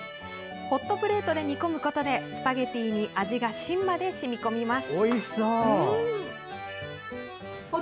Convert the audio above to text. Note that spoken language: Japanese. ホットプレートで煮込むことでスパゲッティに味が芯まで染み込みます。